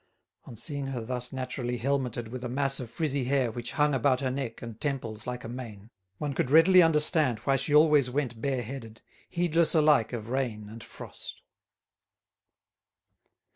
On seeing her thus naturally helmeted with a mass of frizzy hair which hung about her neck and temples like a mane, one could readily understand why she always went bareheaded, heedless alike of rain and frost.